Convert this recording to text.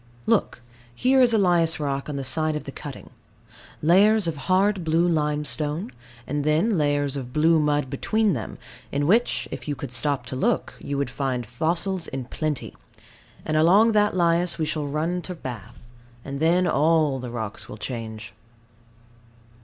Look. Here is lias rock in the side of the cutting; layers of hard blue limestone, and then layers of blue mud between them, in which, if you could stop to look, you would find fossils in plenty; and along that lias we shall run to Bath, and then all the rocks will change.